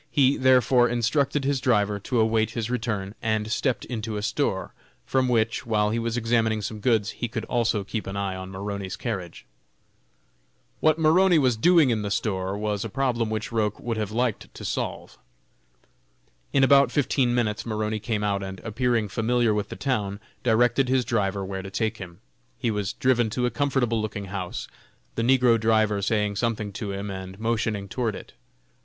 He, therefore, instructed his driver to await his return, and stepped into a store, from which, while he was examining some goods, he could also keep an eye on Maroney's carriage. What Maroney was doing in the store, was a problem which Roch would have liked to solve. In about fifteen minutes Maroney came out, and appearing familiar with the town, directed his driver where to take him. He was driven to a comfortable looking house; the negro driver saying something to him, and motioning toward it.